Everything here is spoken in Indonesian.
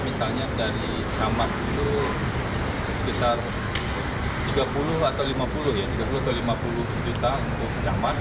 misalnya dari camat untuk sekitar tiga puluh atau lima puluh juta untuk camat